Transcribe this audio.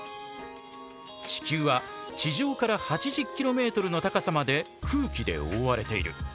地球は地上から８０キロメートルの高さまで空気で覆われている。